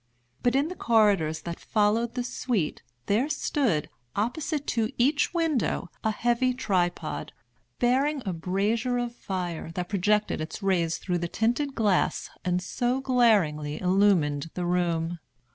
But in the corridors that followed the suite, there stood, opposite to each window, a heavy tripod, bearing a brazier of fire that projected its rays through the tinted glass and so glaringly illumined the room.